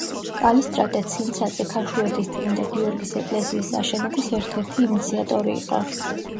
კალისტრატე ცინცაძე ქაშუეთის წმიდა გიორგის ეკლესიის აშენების ერთ-ერთი ინიციატორი იყო.